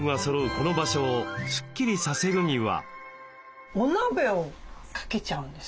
この場所をスッキリさせるには？